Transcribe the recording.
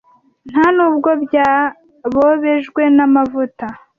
nta n’ubwo byabobejwe n’amavuta